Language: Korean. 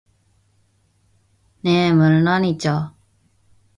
네, 물론이죠.